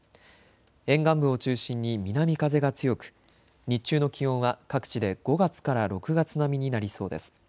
沿岸部を中心に南風が強く日中の気温は各地で５月から６月並みになりそうです。